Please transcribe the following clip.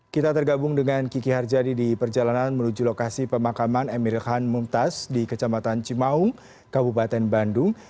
kita tergabung dengan kiki harjadi di perjalanan menuju lokasi pemakaman emiril han mumtaz di kecamatan cimaung kabupaten bandung